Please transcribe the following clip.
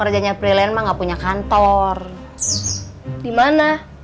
jangan mengganggu kara kara